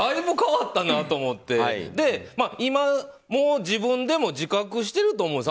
今、自分でも自覚してると思うんです